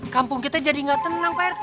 kampung kita jadi nggak tenang pak rt